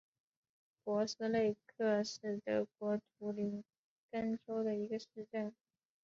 珀斯内克是德国图林根州的一个市镇。